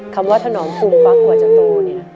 คำว่าธนอนฟูฟักหัวจะโต